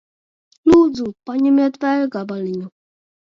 Lūdzu. Paņemiet vēl gabaliņu.